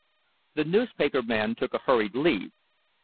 The newspaper man took a hurried leave.